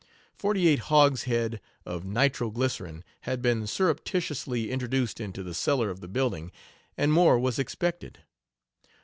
Forty eight hogs head of nitroglycerine had been syrupticiously introduced into the cellar of the building, and more was expected.